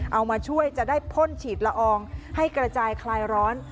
เอามาช่วยจะได้พ่นฉีดละอองให้กระจายคลายร้อน